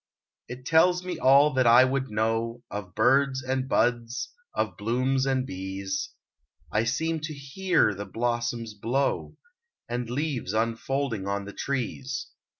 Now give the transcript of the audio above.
It tells me all that I would know, Of birds and buds, of blooms and bees; I seem to hear the blossoms blow, And leaves unfolding on the trees.